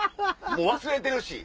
もう忘れてるし。